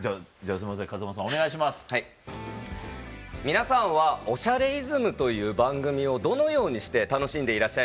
皆さんは『おしゃれイズム』という番組をどのようにして楽しんでいらっしゃいますか？